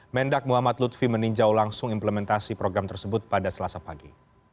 mendak muhammad lutfi meninjau langsung implementasi program tersebut pada selasa pagi